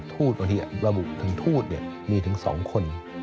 บางทีระบุถึงทูตเนี่ยมีถึงสองคน